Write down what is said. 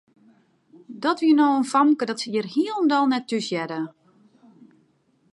Dat wie no in famke dat hjir hielendal net thúshearde.